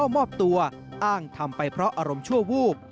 มอบตัวอ้างทำไปเพราะอารมณ์ชั่ววูบ